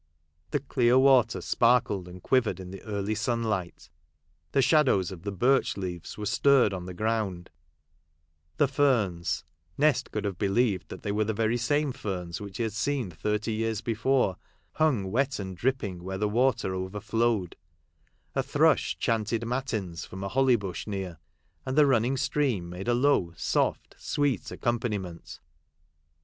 The clear water sparkled and quivered in the early sun light, the shadows of the birch leaves were stirred on the ground ; the ferns — Nest could have believed that they were the very same ferns which she had seen thirty years before, hung wet and dripping where the water over flowed — a thrush chanted matins from a holly bush near — and the running stream made a low, soft, sweet accompaniment.